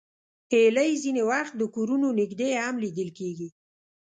هیلۍ ځینې وخت د کورونو نږدې هم لیدل کېږي